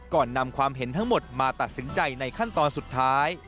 นำความเห็นทั้งหมดมาตัดสินใจในขั้นตอนสุดท้าย